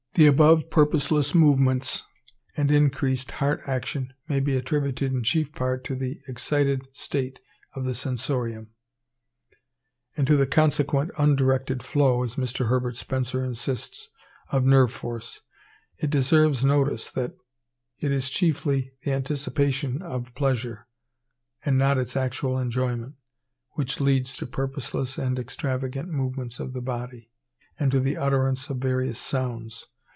The above purposeless movements and increased heart action may be attributed in chief part to the excited state of the sensorium, and to the consequent undirected overflow, as Mr. Herbert Spencer insists, of nerve force. It deserves notice, that it is chiefly the anticipation of a pleasure, and not its actual enjoyment, which leads to purposeless and extravagant movements of the body, and to the utterance of various sounds.